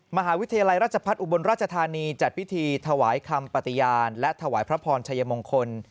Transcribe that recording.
มหาวิทยาลัยราชพัฒน์อุบลราชธานีจัดพิธีถวายคำปฏิญาณและถวายพระพรชัยมงคล